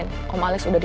semua ini terjadi